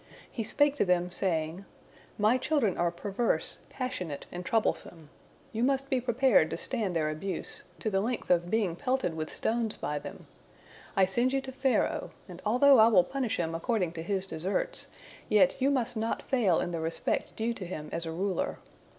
He spake to them, saying: "My children are perverse, passionate, and troublesome. You must be prepared to stand their abuse, to the length of being pelted with stones by them. I send you to Pharaoh, and although I will punish him according to his deserts, yet you must not fail in the respect due to him as a ruler.